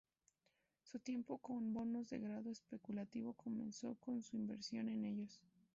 Su tiempo con bonos de grado especulativo comenzó con su inversión en ellos.